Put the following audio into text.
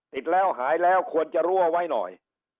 ติดแล้วหายแล้วควรจะรู้เอาไว้หน่อย